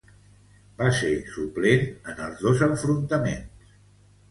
Va ser suplent en els dos enfrontaments.